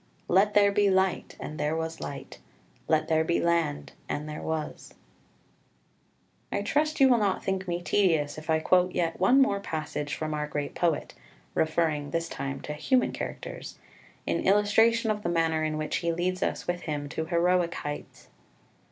"let there be light, and there was light: let there be land, and there was." 10 I trust you will not think me tedious if I quote yet one more passage from our great poet (referring this time to human characters) in illustration of the manner in which he leads us with him to heroic heights.